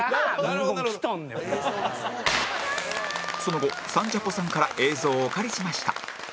その後『サンジャポ』さんから映像をお借りしました